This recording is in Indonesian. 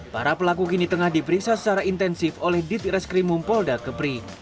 para pelaku kini tengah diperiksa secara intensif oleh ditreskrimum polda kepri